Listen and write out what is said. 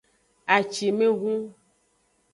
Acimevhun.